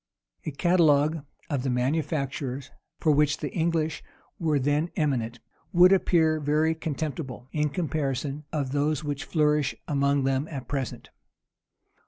A catalogue of the manufactures for which the English were then eminent, would appear very contemptible, in comparison of those which flourish among them at present.